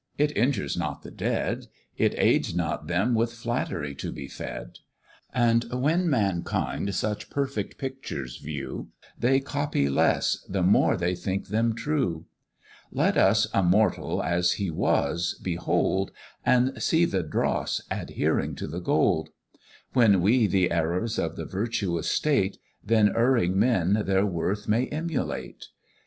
It injures not the dead, It aids not them with flattery to be fed; And when mankind such perfect pictures view, They copy less, the more they think them true. Let us a mortal as he was behold, And see the dross adhering to the gold; When we the errors of the virtuous state, Then erring men their worth may emulate.